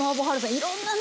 いろんなね